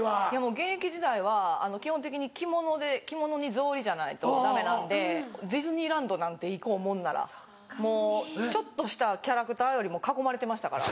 現役時代は基本的に着物に草履じゃないとダメなんでディズニーランドなんて行こうもんならもうちょっとしたキャラクターよりも囲まれてましたから。